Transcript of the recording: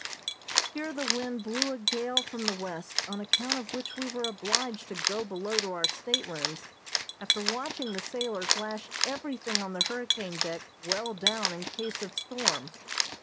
Here the wind blew a gale from the west, on account of which we were obliged to go below to our staterooms after watching the sailors lash everything on the hurricane deck well down in case of storm.